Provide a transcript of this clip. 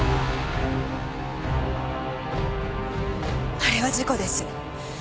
あれは事故です。